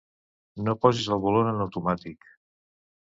No posis el volum en automàtic.